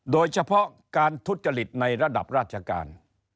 โดยเฉพาะการทุจริตในระดับราชการ